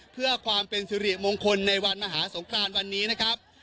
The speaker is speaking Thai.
เพื่อความเป็นสิริมงคลในวันมหาสงครานวันนี้นะครับ